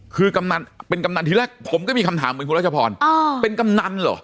คือกำนันเป็นกำนันทีแรกผมก็มีคำถามเหมือนคุณรัชพรเป็นกำนันเหรอ